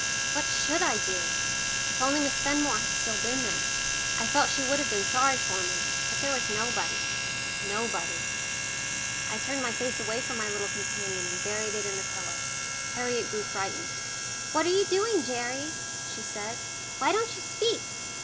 What should I do? If only Miss Fenmore had still been there, I felt she would have been sorry for me, but there was nobody nobody. I turned my face away from my little companion, and buried it in the pillow. Harriet grew frightened. "What are you doing, Gerry?" she said. "Why don't you speak?